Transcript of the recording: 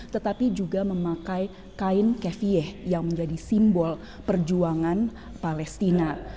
tetapi juga memakai kain kevie yang menjadi simbol perjuangan palestina